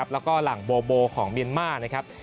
แล้วก็หลังโบโบของเบียนมาร